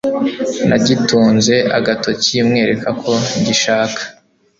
nagitunze agatoki mwereka ko ngishaka.